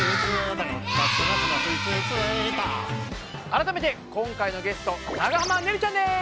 改めて今回のゲスト長濱ねるちゃんです！